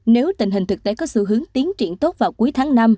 nếu tình hình thực tế có xu hướng tiến triển tốt vào cuối tháng năm